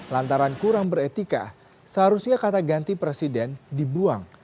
lantaran kurang beretika seharusnya kata ganti presiden dibuang